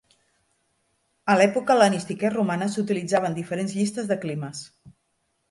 A l'època hel·lenística i romana s'utilitzaven diferents llistes de climes.